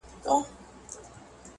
تاسې له لومړۍ ورځې